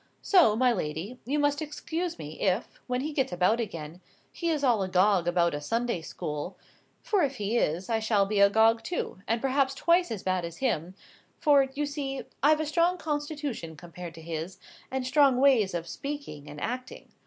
So, my lady, you must excuse me if, when he gets about again, he is all agog about a Sunday school, for if he is, I shall be agog too, and perhaps twice as bad as him, for, you see, I've a strong constitution compared to his, and strong ways of speaking and acting.